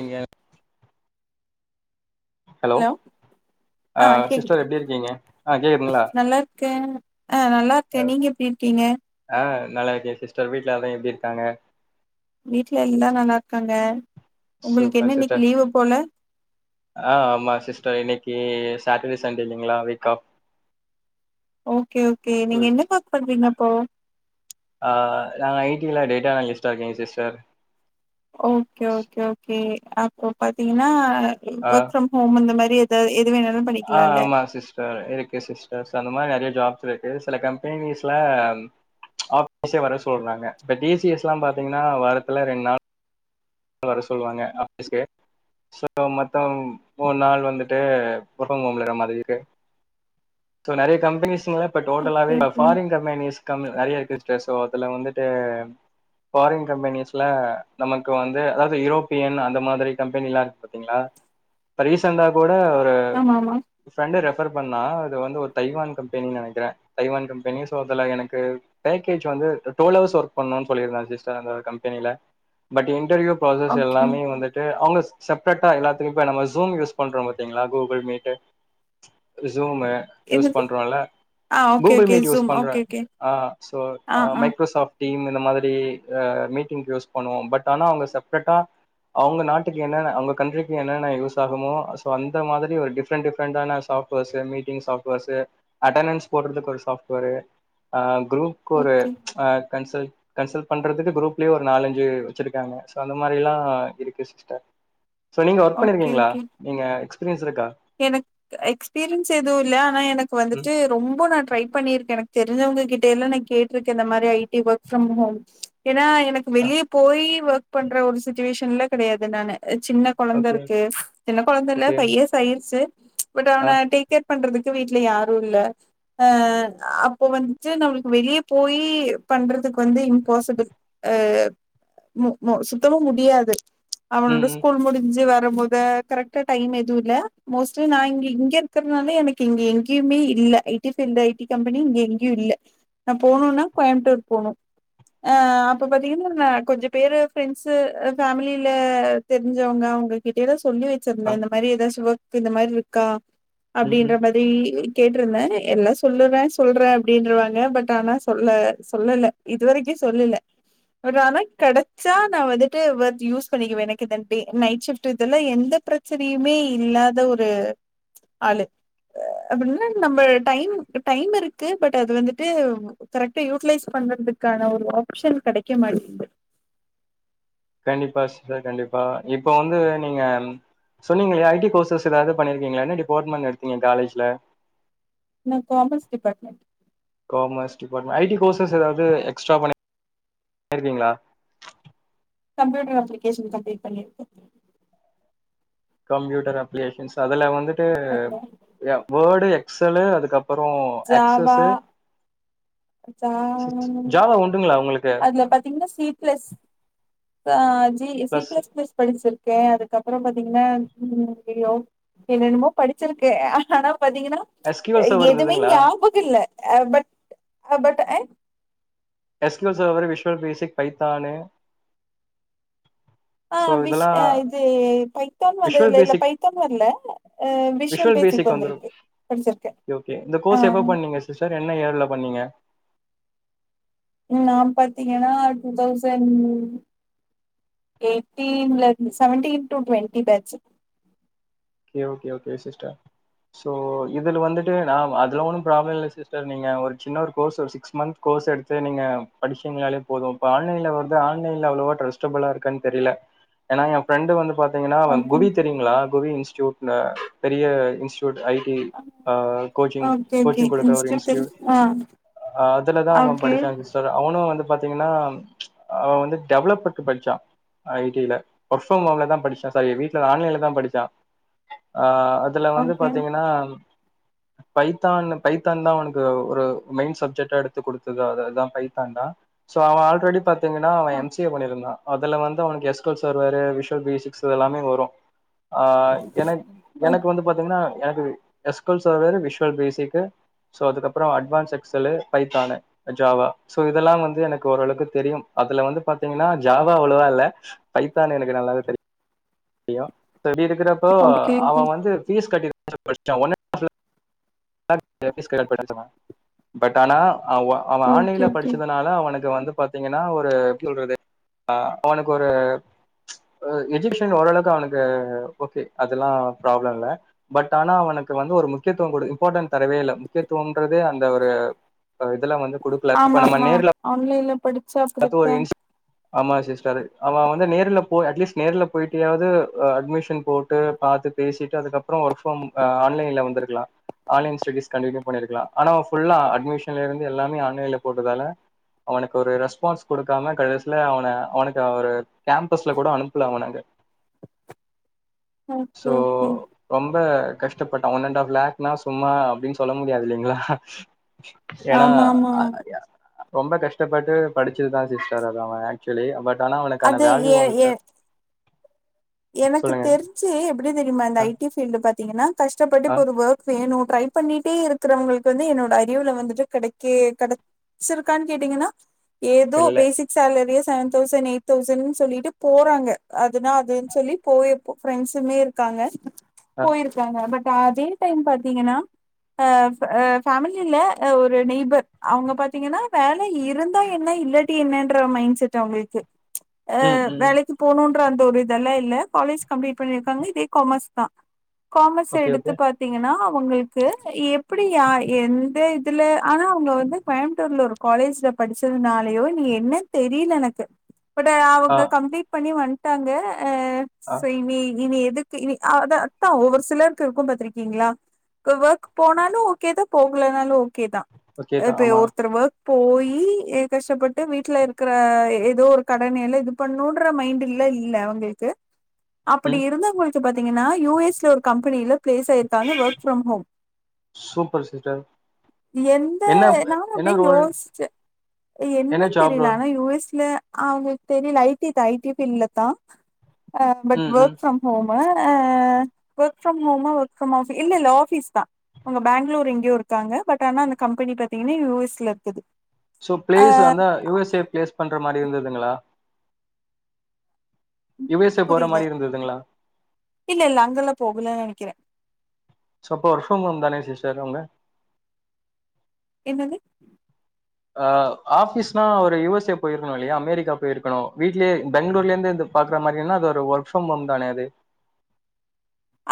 நீங்க ஹலோ ஆ கேக்குது சிஸ்டர் எப்டி இருக்கீங்க ஆ கேக்குதுங்களா நல்லாருக்கே ஆ நல்லா இருக்கே நீங்க எப்டி இருக்கீங்க ஆ நல்லா இருக்குகேன் சிஸ்டர் வீட்ல எல்லா எப்டி இருக்காங்க வீட்ல எல்லா நல்லா இருக்காங்க உங்களுக்கு சூப்பர் என்ன இன்னைக்கு சிஸ்டர் லீவு போல ஆ ஆமா சிஸ்டர் இன்னைக்கி சாட்டர்டே சண்டேல்லைங்ளா வீக் ஆஃப் ஓகே ஓகே நீங்க என்ன ஒர்க் பண்றீங்கப்போ ஆ நா ஐ டில டேட்டா அனலிஸ்டா இருக்கே சிஸ்டர் ஓகே ஓகே ஓகே அப்போ பாத்தீங்கன்னா ஆ ஒர்க் ஃப்ரம் ஹோம் இந்த மாரி எதாவ் எது வேணாலு ஆ பண்ணிக்கலால்ல ஆமாங் சிஸ் சார் இருக்கு சிஸ்டர்ஸ் அந்த மாரி நறைய ஜாப்ஸ் இருக்கு சில கம்பெனிஸ்ல ஆபிஸே வர சொல்றாங்க இப்ப டி சி எஸ்லாம் பாத்தீங்கன்னா வாரத்துல ரெண்டு நாள் வர சொல்லுவாங்க ஆபிஸ்க்கு சோ மொத்தம் மூணு நாள் வந்துட்டு ஒர்க் ப்ரம் ஹோம்ல இருக்க மாறிக்கு சோ நறைய கம்பெனிஸ்ங்களா இப்ப ஓகே டோட்டலாவே ஓகே ஃபாரின் [unintelligible] கம் நறைய ஸ்ட்ரெஸ் சோ அதுல வந்துட்டு ஃபாரின் கம்பெனிஸ்ல நமக்கு வந் து அதாவது யூரோப்பியன் அந்த மாதிரி கம்பெனில்லா இருக்கு பாத்தீங்களா இப்ப ரீசண்டா கூட ஒரு ஆமா ஆமா ஃப்ரெண்டு ரெஃபர் பண்ணா அது வந்து ஒரு தைவான் கம்பெனின்னு நினைக்கிறேன் தைவான் கம்பெனி சோ அதுல எனக்கு பேக்கேஜ் வந்து டுவல் ஹவர்ஸ் ஒர்க் பண்ண சொல்லிருந்தா சிஸ்டர் அந்த கம்பெனியில but interview process okay எல்லாமே வந்துட்டு அவுங்க செப்ரேட்டா எல்லாத்துக்கும் இப்போ நம்ம ஜூம் யூஸ் பண்ணுறோ பாத்திங்களா கூகுள் மீட்டு ஜூமு யூஸ் என்னது பண்றோல்ல ஆ okay Google okay meet Zoom use பண்ற ஓகே ஓகே ஆ சோ ஆ ஆ மைக்ரோசாஃப்ட் டீம் இந்த மாதிரி அ மீட்டிங்க்கு யூஸ் பண்ணுவோ பட் ஆனா அவங்க செப்ரேட்டா அவங்க நாட்டுக்கு என்னன்ன அவுங்க கண்ட்ரிக்கு என்னென்ன யூஸ் ஆகுமோ சோ அந்த மாதிரி ஒரு டிஃப்ரெண்ட் டிஃப்ரெண்டான software meeting software attendance போடுறதுக்கு ஒரு சாஃப்ட்வர்ஸ்ஸு குரூப் க்கு ஒரு ஓகே அ கன்சல் கன்சல்ட் பண்றதுக்கு குரூப்லயே ஒரு நாலஞ்சு வச்சிருக்காங்க சோ அந்த மாரில்லா இருக்கு சிஸ்டர் சோ நீங்க ஒர்க் ஓகே பண்ணிருக்கீங்களா ஓகே நீங்க எக்ஸ்பீரியன்ஸ் இருக்கா எனக்கு எக்ஸ்பீரியன்ஸ் எதுவு இல்ல ஆனா எனக்கு ம் வந்துட்டு ரொம்ப நா ட்ரை பண்ணியிருக் எனக்கு தெரிஞ்சவங்க கிட்ட எல்லா நா கேட்டிருக்கே இந்த மாதிரி I T work from home ஏன்னா எனக்கு ஆ வெளியே போய் ஒர்க் பண்ற ஒரு சிச்சுவேஷன்ல கடையாது நானு சின்ன கொழந்தை ஓகே இருக்கு சின்ன குழந்தை இல்ல ஓகே ஃபை இயர்ஸ் ஆயிடுச்சு பட் ஆ அவன டேக் கேர் பண்றதுக்கு வீட்ல யாரு இல்ல அ அப்போ வந்துட்டு நம்மளுக்கு வெளியே போய் பண்றதுக்கு வந்து இம்பாசிபிள் அ மு மு சுத்தமா முடியாது ம் அவனோட ம் ஸ்கூல் முடிஞ்சு வரும் போது கரெக்ட்டா டைம் எதுவு இல்ல மோஸ்ட்லி நா இங்க இங்க இருக்கிறனால எனக்கு இங்க எங்கேயுமே இல்ல ஐ டி ஃபில் ஐ டி கம்பெனி இங்க எங்கேயு இல்ல நா போனுன்னா கோயம்புட்டூர் போனு அ அப்ப பாத்தீங்கன்னா ந கொஞ்ச பேரு ஃப்ரெண்ட்ஸ் ஃபேமிலியில தெரிஞ்சவங்க அவங்க கிட்ட எல்லா சொல்லி ஆ வச்சிருந்தே இந்த மாரி எதாச்சு ஒர்க்கு இந்த மாரி இருக்கா ம் ம் அப்படின்ற மா ரி கேட்டிருந்தே எல்லா சொல்லுறே சொல்றே அப்படின்ருவாங்க பட் ஆனா சொல் சொல்லல இதுவரைக்கு சொல்லல ஆனா கடைச்சா நா வந்துட்டு வர்த் யூஸ் பண்ணிக்குவே எனக்கு இண்டி நைட் ஷிப்ட் இதெல்லா எந்த ப்ர ச்சனையுமே இல்லாத ஒரு ஆளு அப்படின்ன நம்ம டைம் டைம் இருக்கு பட் அது வந்துட்டு கரெக்டா யூட்டிலைஸ் பண்றதுக்கான ஒரு ஆப்ஷன் கிடைக்க மாட்டிங்குது கண்டிப்பா சிஸ்டர் கண்டிப்பா இப்ப வந்து நீங்க சோ நீங்க ஐ டி கோர்சஸ் எதாவது பண்ணிருக்கீங்களா என்ன டிபார்ட்மெண்ட் எடுத்தீங்க காலேஜ்ல நா commerce department commerce department IT courses எதாவது எக்ஸ்ட்ரா பண் [inaudible] ருந்தீங்களா கம்ப்யூட்டர் அப்ளிகேஷன் கம்ப்ளீட் பண்ணி இருக்கே கம்ப்யூட்டர் அப்ளிகேஷன்ஸ் அதுல வந்துட்டு வேர்டு எக்ஸலு அதுக்கப் புறோ எக்ஸஸ் ஜாவா ஜா ஜாவா உண்டுங்களா உங்களுக்கு நா பாத்தீங்கன்னா சி பிளஸ் அ ஜி சி பிளஸ் பிளஸ் படிச்சிரு போ அதுக்கப்புறம் பாத்தீங்கன்னா ம் ஐயோ என்னென்னமோ படிச்சிருக்க ஆனா பாத்தீங்கன்னா எஸ் கியூ எல் சர்வர் எதுமே இருந்ததுங்களா? ஞாப இல்ல அ பட் பட் ம் எஸ் [unintelligible] விஷுவல் பேசிக் பைத்தானு ஆ சோ விஷ் இதெல்லாம் ஆ இது பைத்தான் வந்தது விஷுவல் இல்ல இல்ல பேசிக் பைத்தான் வர்ல ஆ விஷ்வன் பேசிக் வந்துடு வந்திருக்கு படிச்சிருக்கேன் ஓகே இந்த ஆ கோர்ஸ் எப்ப பண்ணீங்க சிஸ்டர் என்ன இயர்ல பண்ணீங்க நா பாத்தீங்கன்னா டூ தௌசண் எயிட்டீன்ல இருந்து செவன்டீன் டூ டுவெண்ட்டி பேச்சு கே ஓகே ஓகே சிஸ்டர் ஸோ இதுல வந்துட்டு வா அதுலா ஒன்னு ப்ராப்ளம் இல்ல சிஸ்டர் நீங்க ஒரு சின்ன ஒரு கோர்ஸ் சிக்ஸ் மந்த் கோர்ஸ் எடுத்து நீங்க படிச்சிங்கனாலே போது இப்ப ஆன்லைன்ல வருது ஆன்லைன்ல அவ்ளோவா ட்ரஸ்டபுளா இருக்கான் தெரில ஏன்னா எ ஃப்ரெண்டு் வந்து பாத்தீங்கன்னா ஓகே குவி தெரியுங்களா குவி இன்ஸ்டூட்னு பெரிய இன்ஸ் ஐடி ஆ கோச்சிங் ஓகே ஓகே கோச்சிங் கொடுக்கற ஒரு இன்ஸ்டத்தில் இன்ஸ்டூட் ஆ ஆ அதுலதா அவ ஓகே படிச்சா சிஸ் அவனு வந்து பாத்தீங்கன்னா அவ வந்து டெவலப் [inaudible] படிச்சா ஐடில்ல வொர்க் ஃப்ரம் ஹோம்லதா படிச்சா சாரி வீட்ல ஆன்லைன்லதா படிச்சா ஆ அதுல வந்து ஓகே பாத்தீங்கன்னா பைத்தான் பைத்தான் தா அவனுக்கு ஒரு மெயின் சப்ஜெட்டா எடுத்து கொடுத்தது அதுதா பைத்தான்தா சோ அவ ஆல்ரெடி பாத்தீங்கன்னா அவ எம் சி ஏ பண்ணியிருந்தா அதுல வந்து அவனுக்கு எஸ்கோஷ் வருவாரு விஷுவல் பேசிக் சோ எல்லாமே வரு அ எனக் ஓகே எனக் வந்து பாத்தீங்கன்னா எனக்கு எஸ்கோஷ் வேரு விஷுவல் பேசிக்கு ஸோ அதுக்கப்பறோ அட்வான்ஸ் எக்ஸ்சலு பைதானு ஜாவா சோ இதெல்லா வந்து எனக்கு ஓரளவுக்கு தெரியும் அதுல வந்து பாத்தீங்கன்னா ஜாவா அவ்ளவா இல்ல பைத்தான் எனக்கு நல்லாவே தெரியு தெரியு அப்டி இருக்கறப்ப ஓகே அவ வந்து பீஸ் கட்டி தா படிச்சா [unintelligible] பட் ஆனா அவ அவ ஓகே ஆன்லைன்ல ஓகே படிச்சதுனால அவனுக்கு வந்து பாத் தீங்கன்னா ஒரு எப்டி சொல்றது அவனுக்கு ஒரு அ எஜுகேஷன் ஓரளவுக்கு அவனுக்கு ஓகே அதெல்லா ப்ராப்ளம் இல்ல பட் ஆனா அவனுக்கு வந்து ஒரு முக்கியத்துவம் கொடு இம்பார்ட்டன்ட் தரவே இல்ல முக்கியத்துவம்ன்றதே அந்த ஒரு இதெல்லா வந்து குடுக்கல இப்ப ஆமா நம்ம ஆமா நேர்ல ஆன்லைன்ல படிச்சா பாத்து ஒரு அப்படித்தான் இன்ஸ் ஆமா சிஸ்டர் அவ வந்து நேர்ல போ அட்லீஸ்ட் நேர்ல போயிட்டியாவது அட்மிஷன் போட்டு பாத்து பேசிட்டு அதுக்கப்பறோ ஒர்க் ஃப்ரம் அ ஆன்லைன்ல வந்துருக்கலா ஆன்லைன் ஸ்டெடிஸ் கண்டினியூ பண்ணிருக்கலா ஆனா ஃபுல்லா அட்மிஷன்லருந்து எல்லாமே ஆன்லைன்ல போட்டதால அவனுக்கு ஒரு ரெஸ்பான்ஸ் குடுக்காம கடைசில அவன அவனுக்கு ஒரு கேம்பஸ்ல கூட அனுப்பல அவன அங்க சோ ஓகே ஓகே ரொம்ப கஷ்டப்பட்டா ஒன் அண்ட் ஆஃப் லாக்னாஸ் சும்மா அப்டின் சொல்ல முடியாது இல்லைங்களா ஏன்னா ஆமா ஆமா ரொம்ப கஷ்டப்பட்டு படிச்சதுதா சிஸ்டர் அத அவ க்சுலி பட் ஆனா அவனுக்கான அது வேல்யூ எ எ வந்துட்டு எனக்கு தெருஞ்சு எப்டி தெரிமா இந்த ஆ ஐ டி ஃபீல்டு பாத்தீங்கன்னா கஷ்டப்பட்டு ஆ இப்ப ஒரு வோக் வேணு ட்ரைப் பண்ணிட்டே இருக்கறவங்களுக்கு வந்து என்னோட அறிவல வந்துட்டு கெடைக்கே கெடக் சிருக்கான் கேட்டீங்கன்னா ஏதோ இல்ல பேசிக் சேலரியே செவன் தௌசண் எயிட் தௌசண் சொல்லிட்டு போறாங்க அதுனா அது சொல்லி போயே போ ஃப்ரெண்ட்ஸ்ங்கே இருக்காங்க ஆ போயிருக் காங்க பட் ஆ அதே டைம் பாத்தீங்கன்னா அ ஃப் அ ஃபேமிலில அ ஒரு நெய்பர் அவுங்க பாத்தீங்கன்னா வேல இருந்தா என்ன இல்லா ட்டி என்னன்ற மைண்ட செட் அவுங்களுக்கு அ ம் ம் வேலைக்கு போணுன்ற அந்த ஒரு இ தெல்லா இல்ல காலேஜ் கம்ப்ளீட் பண்ணிருக்காங்க இதே காமர்ஸ் தா காமர்ஸ் ஓகே எடுத்து ஓகே பாத் பாத்தீங்கன்னா அவங்களுக்கு எப்டி அ எந்த இதுல ஆனா அவங்க வந்து கோயம்புத்தூர்ல ஒரு காலேஜ்ல படிச்சதுனாலயோ என்ன தெரில எனக்கு பட் ஆ அவங்க கம்ப்ளீட் பண்ணி வந்துட்டாங்க அ ஆ சோ இனி இனி எது கு இனி அத த்தா ஒவ்வொரு சிலருக்கு இருக்கு பாத்திருக்கீங்களா ஒர்க் போனாலு ஓகே தா போகலனாலு ஓகே தா ஓகே தான் இப்ப ஆமா ஒருத்தர் ஒர்க் போயி கஷ்டப்பட்டு வீட்டுல இருக்குற ஏதோ ஒரு கடனயெல்ல இது பண்ணோன்ற மைண்டுல இல்ல அவங்களுக்கு அப்படி ம் இருந்தவங்களுக் கு பாத்தீங்கன்னா யு எஸ் ல ஒரு கம்பனில ப்ளேஸ் ஆயிருக்காங்க work from home super sister எந்த என்ன நானு என்ன அப்டியே ரோல் யோச்சே என்ன என்னன் ஜாப் தெரில ரோல் ஆனா யு எஸ் ல அ அவுங்களுக் தெரில ஐ டி தா ஐ டி ஃபீல்ட்ல தா அ பட் ம் ம் ஒர்க் ஃப்ரம் ஹோமு அ ஒர்க் ஃப்ரம் ஹோமா ஒர்க் ஃப்ரம் ஆஃபீ இல்ல இல்ல ஆஃபீஸ் தா அவுங்க பேங்ளூர் எங்கயோ இருக்காங்க பட் ஆனா அந்த கம்பெனி பாத்தீங்கன்னா யு எஸ் ல இருக்குது சோ ஆ ப்ளேஸ் அனா யு எஸ் ஏ ப்ளேஸ் பண்ற மாரி இருந்ததுங்களா யு எஸ் ஏ போற புரியல மாரி இருந்ததுங்களா இல்ல இல்ல அங்கெல்லா போகல நெனக்கிறே சோ அப்போ ஒர்க் ஃப்ரம் ஹோம் தானே சிஸ்டர் அவுங்க என்னது அ ஆஃபிஸ்னா ஒரு யு எஸ் ஏ போயிருக்கணு இல்லையா அமெரிக்கா போயிருக்கணு வீட்லே பெங்ளூர்லேருந்து இந்த பாக்குற மாரியேன அது ஒரு ஒர்க் ஃப்ரம் ஹோம் தானே அது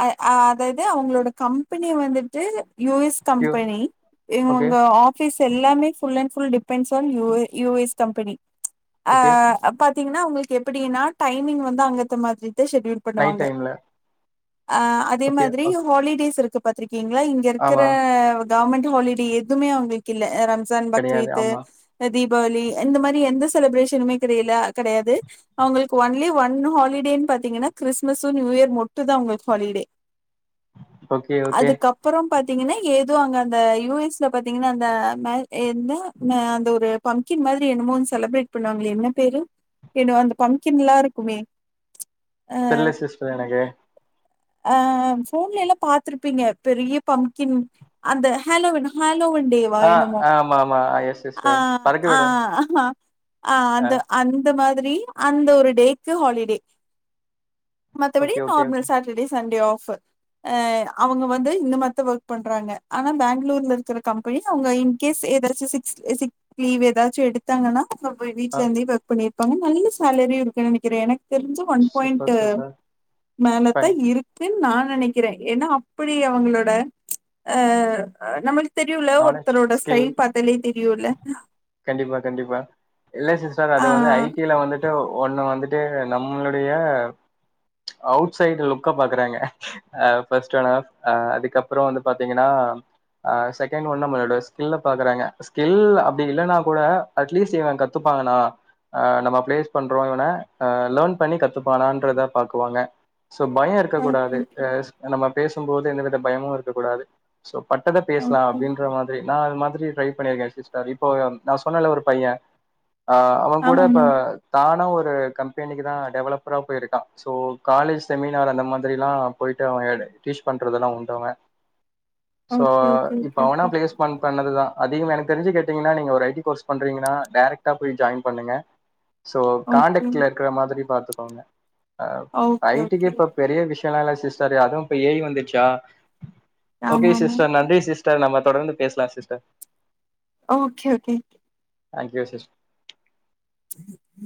அ அதாது அவுங்களோட கம்பெனி வந்துட்டு U S U company okay இவுங்க ஆ ஆஃபீஸ் எல்லாமே full and full depends on U a U S company அ ஓகே அ பாத் தீங்கனா அவுங்களுக்கு எப்டின்னா டைமிங் வந்து அங்கேத்து மாதி தா ஷெடியூல் நைட் டைம்ல அ அதே ஓகே மாதிரி ஓகே ஹாலிடேஸ் இருக்கு பாத்திருக்கீங்களா இங்க இருக்குற ஆமா கவர்மெண்ட் ஹாலிடே எதுமே அவுங்களுக்கு இல்ல ரம்ஜான் கெடையாது பக்ரீத்து ஆமா அ தீபாவளி இந்த மாரி எந்த செலிப்ரேஷனுமே கெடையில கெடையாது அவுங்களுக்கு ஒன்லி ஒன் ஹாலிடேன் பாத்தீங்கன்னா கிறிஸ்மஸ்ஸு நியூ இயர் மட்டு தா அவுங்களு ஹாலிடே ஓகே ஓகே அதுக்கப் அப்பறோ பாத்தீங்கன்னா ஏதோ அங்க அந்த யு எஸ் ல பாத்தீங்கன்னா அந்த மே என்ன மே அந்த ஒரு பம்கின் மாதிரி என்னமோ ஒன் செலப்ரேட் பண்ணுவாங்களே என்ன பேரு என்ன ஓ அந்த பம்கின்லா இருக்குமே தெர்ல சிஸ்டர் எனக்கு அ போன்லல்லா பாத்துருப்பீங்க பெரிய பம்கின் அந்த ஹாலோவின் ஹாலோவின் டே வா ஆ இன்னமோ ஆமா ஆமா எஸ் ஆ சிஸ்டர் பறக்க ஆ விடு ஆ அந்த அந்த மாதிரி அந்த ஒரு டேக்கு ஹாலிடே மத்தபடி okay okay okay normal Saturday Sunday off அ அவங்க வந்து இந்த மத் தா ஒர்க் பண்றாங்க ஆனா பெங்களூர்ல இருக்குற கம் பனி அவங்க இன்கேஸ் ஏதாச்சு சிக்ஸ் சிக் லீவ் ஏதாச்சு எடுத் தாங்கன்னா இப்ப ஆ வீட்டுல இருந்தே ஒர்க் பண்ணிருப்பாங்க நல்ல சேலரியு இருக்குன்னு நெனைக்கிறே எனக் தெருஞ்சு ஒன் சூப்பர் பாய்ண்ட்டு சூப்பர் மேல ஃபைன் இருக்குன் நா நெனைக்கிறே ஏனா அப்புடி அவுங்குளோட ஆ அ நம்மளு தெரியுல நாலேஜ் ஒருத்தரோட ஸ்கில் ஸ்டைல் பாத்தாலே தெரியுல கண்டிப்பா கண்டிப்பா இல்ல சிஸ்டர் அது ஆ வந்து ஐ டி ல வந்து தோ ஒன்னு வந்துட்டு நம்ளுடைய அவுட் சைடு லுக்க பாக்குறாங்க ஆ ஃபஸ்ட்டெனாஃப் ஆ அதுக்கப்பறோ வந்து பாத்தீங்கனா ஆ செக் கென் ஒன் நம்மளோட ஸ்கில்ல பாக்குறாங்க ஸ்கில் அப்டி இல்லனா கூட அட்லீஸ்ட் இவன் கத்துப்பாங்கனா அ நம்ம ப்ளேஸ் பண்றோ இவன அ லேன் பண்ணி கத்துப்பானான்றத பாக்குவாங்க சோ பயோ இருக்க ஓகே கூடாது ஏஸ் நம்ம பேசும்போது எந்தவித பயமு இருக்க கூடாது சோ பட்டத லா ஓகே அப்டின்ற மாதிரி நா அது மாதிரி ட்ரை பண்ணிருக்கே சிஸ்டர் இப்போ எம் நா சொன்னல ஒரு பையன் அ அவன் கூட இப்ப ஆமாமா தானா ஒரு கம்பெனிக்குதா டெவலப்பரா போயிருக்கான் சோ காலேஜ் செமினார் அந்த மாதிரிலா போய்ட்டு அவன் ஏடு டீஷ் பண்றதுதெலா உண்டு அவன் so okay okay okay okay placement பண்ணதுதா அதிகமா எனக் தெரிஞ்சு கேட்டிங்கனா நீங்க ஒரு ஐ டி கோர்ஸ் பண்றீங்குனா டேரக்ட்டா போய் ஜாய்ன் பண்ணுங்க சோ ஓகே காண்டெக்ட்ல இருக்குற மாதிரி பாத்துக்கோங்க அ ஓகே ஐ டி க்கு ஓகே இப்ப பெரிய விஷ் யலா இல்ல சிஸ்டர் அதூ இப்ப ஏ இ வந்துர்ச்சா ஓகே ஆமாமா சிஸ்டர் நன்றி சிஸ் டர் நம்ம தொடர்ந்து பேஸ்லா sister okay okay thank you sis ம்